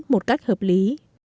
một cách hợp lý